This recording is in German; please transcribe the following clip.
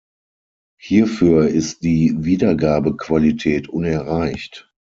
Hierfür ist die Wiedergabequalität unerreicht.